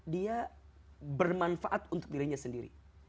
dia bermanfaat untuk dirinya sendiri